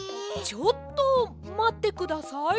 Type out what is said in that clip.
ちょっとまってください。